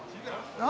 何